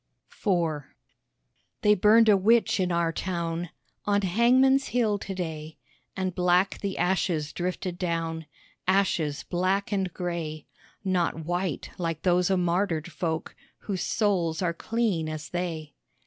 IV They burned a witch in our town, On hangman's hill to day; And black the ashes drifted down, Ashes black and grey, Not white like those o' martyred folk Whose souls are clean as they.